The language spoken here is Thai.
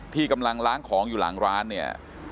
ที่กำลังล้างของอยู่หลังร้านเนี่ย